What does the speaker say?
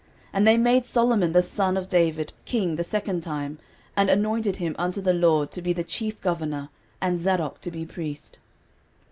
And they made Solomon the son of David king the second time, and anointed him unto the LORD to be the chief governor, and Zadok to be priest.